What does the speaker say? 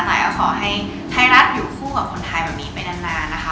ไหนก็ขอให้ไทยรัฐอยู่คู่กับคนไทยแบบนี้ไปนานนะคะ